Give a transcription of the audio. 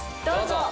どうぞ。